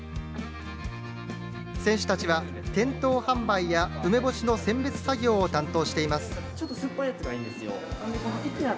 選手たちは、店頭販売や梅干しの選別作業を担当しています。